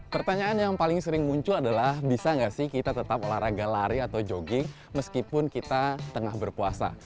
pertanyaan yang paling sering muncul adalah bisa nggak sih kita tetap olahraga lari atau jogging meskipun kita tengah berpuasa